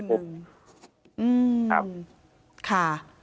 อืมค่ะ